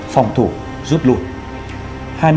phòng thủ giúp lùi